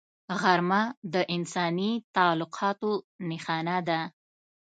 غرمه د انساني تعلقاتو نښانه ده